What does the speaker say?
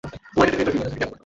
তাহলে আমার বরং চলে যাওয়া উচিত।